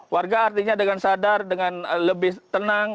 warga artinya dengan sadar dengan lebih tenang